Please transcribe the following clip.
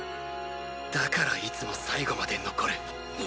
だからいつも最後まで残る